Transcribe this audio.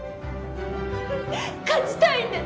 勝ちたいんです！